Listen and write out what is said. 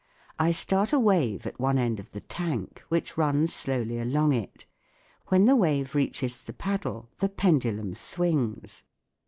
I start a wave at one end of the tank, which runs slowly along it ; when the wave reaches the paddle the pendulum swings.